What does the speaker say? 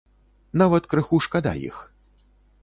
Нават крыху шкада іх.